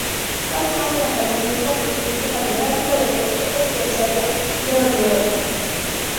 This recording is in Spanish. Fue además durante algún tiempo presidente y catedrático del Colegio penitenciario de Orihuela.